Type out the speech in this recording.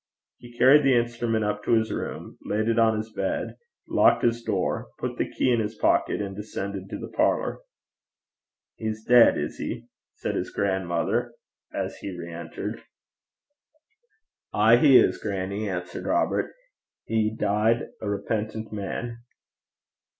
He carried the instrument up to his room, laid it on his bed, locked his door, put the key in his pocket, and descended to the parlour. 'He's deid, is he?' said his grandmother, as he re entered. 'Ay is he, grannie,' answered Robert. 'He deid a repentant man.'